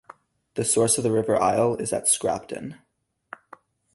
The source of the River Isle is at Scrapton.